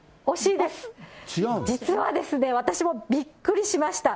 実はですね、私もびっくりしました。